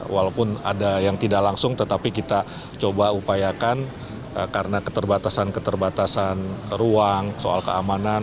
walaupun ada yang tidak langsung tetapi kita coba upayakan karena keterbatasan keterbatasan ruang soal keamanan